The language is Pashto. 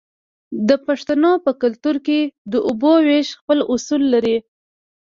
د پښتنو په کلتور کې د اوبو ویش خپل اصول لري.